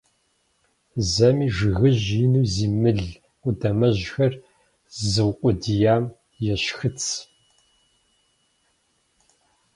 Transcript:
Зэми жыгыжь ину зи мыл къудамэжьхэр зыукъуэдиям ещхыц.